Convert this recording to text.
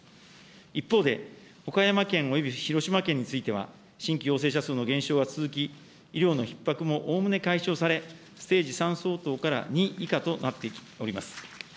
一方で、岡山県および広島県については、新規陽性者数の減少が続き、医療のひっ迫もおおむね解消され、ステージ３相当から２以下となっております。